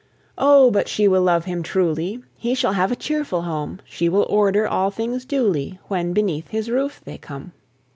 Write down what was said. O but she will love him truly! He shall have a cheerful home; She will order all things duly When beneath his roof they come.